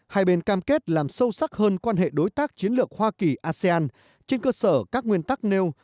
hai bên cam kết làm sâu sắc hơn quan hệ đối tác chiến lược hoa kỳ asean trên cơ sở các nguyên tắc nêu